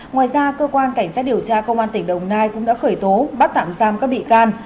ngoài ra cơ quan cảnh sát điều tra công an tỉnh đồng nai cũng đã khởi tố bắt tạm giam các bị can